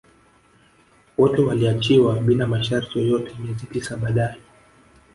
Wote waliachiwa bila masharti yoyote miezi tisa baadae